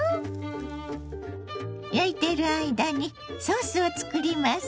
焼いている間にソースを作ります。